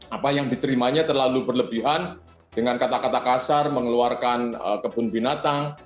apa yang diterimanya terlalu berlebihan dengan kata kata kasar mengeluarkan kebun binatang